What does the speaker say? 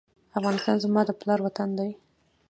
افغانستان زما د پلار وطن دی؟